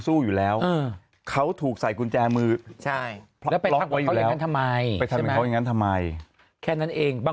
สู้อยู่แล้วเขาถูกใส่กุญแจมือใช่ทำไมทำไมแค่นั้นเองบาง